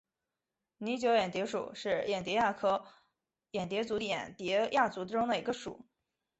拟酒眼蝶属是眼蝶亚科眼蝶族眼蝶亚族中的一个属。